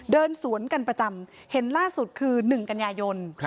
เดินสวนกันประจำเห็นล่าสุดคือ๑กันยายน